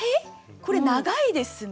これ長いですね。